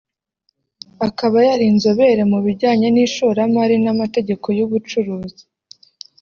akaba ari inzobere mu bijyanye n’ishoramari n’amategeko y’ubucuruzi